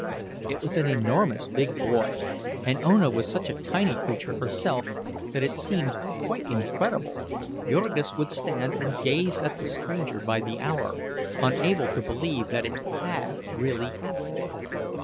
It was an enormous big boy, and Ona was such a tiny creature herself, that it seemed quite incredible. Jurgis would stand and gaze at the stranger by the hour, unable to believe that it had really happened.